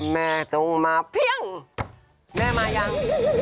แม่มายัง